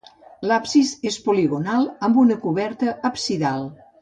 L'absis és poligonal amb una coberta absidal.